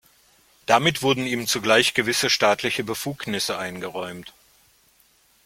Damit wurden ihm zugleich gewisse staatliche Befugnisse eingeräumt.